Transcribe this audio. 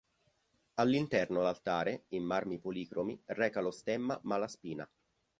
All'interno l'altare, in marmi policromi, reca lo stemma Malaspina.